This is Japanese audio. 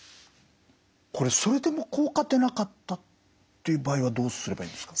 これそれでも効果出なかったっていう場合はどうすればいいですか？